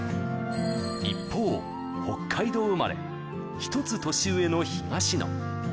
一方、北海道生まれ、１つ年上の東野。